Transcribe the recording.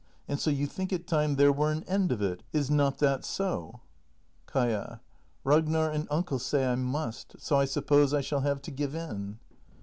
And so you think it time there were an end of it. Is not that so ? Kaia. Ragnar and Uncle say I must. So I suppose I shall have to give in.